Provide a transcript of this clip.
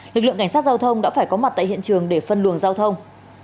lực lượng cảnh sát giao thông đã phải có mặt tại hiện trường để phân luồng giao thông